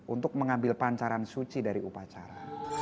untuk mengambil pancaran suci dari upacara